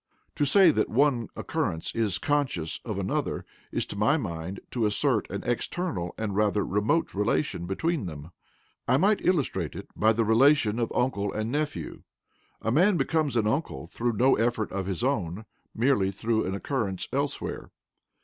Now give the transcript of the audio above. To say that one occurrence is "conscious" of another is, to my mind, to assert an external and rather remote relation between them. I might illustrate it by the relation of uncle and nephew a man becomes an uncle through no effort of his own, merely through an occurrence elsewhere.